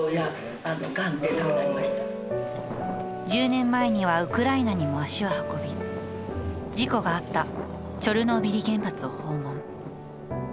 １０年前にはウクライナにも足を運び、事故があったチョルノービリ原発を訪問。